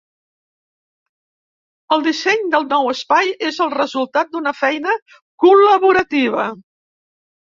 El disseny del nou espai és el resultat d'una feina col·laborativa.